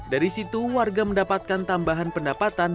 dari situ warga mendapatkan tambahan pendapatan